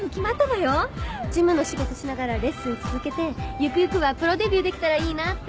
事務の仕事しながらレッスン続けてゆくゆくはプロデビューできたらいいなぁって。